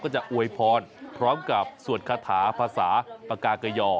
จะอวยพรพร้อมกับสวดคาถาภาษาปากาเกยอ